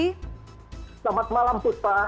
selamat malam putra